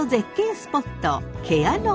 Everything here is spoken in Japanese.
スポット